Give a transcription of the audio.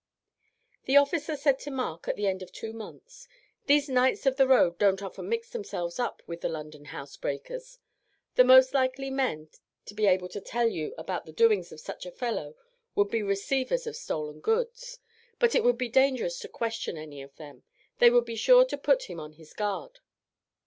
The officer said to Mark at the end of two months: "These knights of the road don't often mix themselves up with the London housebreakers. The most likely men to be able to tell you about the doings of such a fellow would be receivers of stolen goods, but it would be dangerous to question any of them they would be sure to put him on his guard.